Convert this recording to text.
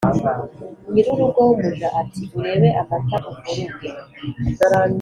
nyir’urugo w’umuja ati ‘urebe amata uvuruge,